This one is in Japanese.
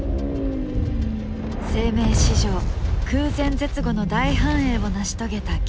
生命史上空前絶後の大繁栄を成し遂げた恐竜たち。